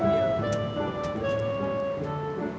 bok minum satu bong